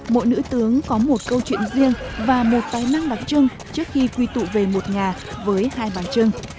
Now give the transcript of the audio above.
mỗi nữ tướng có một câu chuyện riêng và một tài năng đặc trưng trước khi quy tụ về một nhà với hai bà trưng